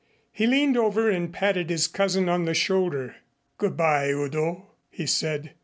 He leaned over and patted his cousin on the shoulder. "Good by, Udo," he said.